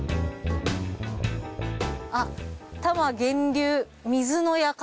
あっ多摩源流水の館。